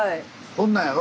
こんなんやろ？